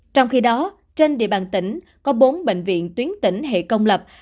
trong khi đó trên địa bàn tỉnh có bốn bệnh viện tuyến tỉnh hệ công lập